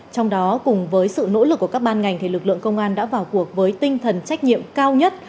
trong đó cùng với sự nỗ lực của các ban ngành thì lực lượng công an đã vào cuộc với tinh thần trách nhiệm cao nhất